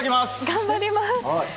頑張ります。